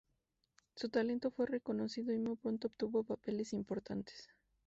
Su talento fue reconocido y muy pronto obtuvo papeles importantes.